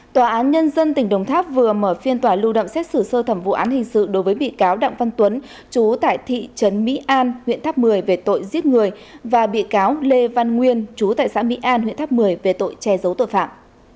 tòa án nhân dân tỉnh đồng tháp vừa mở phiên tòa lưu động xét xử sơ thẩm vụ án hình sự đối với bị cáo đặng văn tuấn chú tại thị trấn mỹ an huyện tháp một mươi về tội giết người và bị cáo lê văn nguyên chú tại xã mỹ an huyện tháp một mươi về tội che giấu tội phạm